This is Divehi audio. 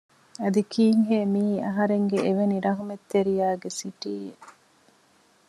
އަދި ކީއްހޭ މިއީ އަހަރެންގެ އެވެނި ރަޙްމަތްރެތިޔާގެ ސިޓީއެއް